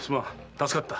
助かった。